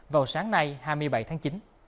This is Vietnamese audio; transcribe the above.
vào sáng nay hai mươi bảy tháng chín